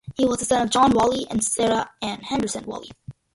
He was the son of John Walley and Sarah Ann (Henderson) Walley.